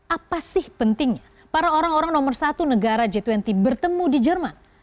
apa sih pentingnya para orang orang nomor satu negara g dua puluh bertemu di jerman